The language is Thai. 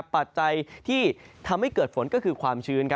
ปัจจัยที่ทำให้เกิดฝนก็คือความชื้น